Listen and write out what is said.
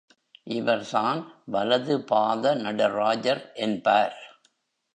இவர்தான் வலது பாத நடராஜர் என்பார்.